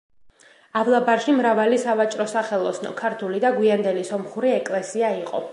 ავლაბარში მრავალი სავაჭრო-სახელოსნო, ქართული და გვიანდელი სომხური ეკლესია იყო.